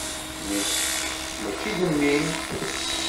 Nekk mačči d mmi-m.